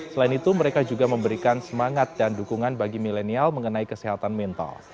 selain itu mereka juga memberikan semangat dan dukungan bagi milenial mengenai kesehatan mental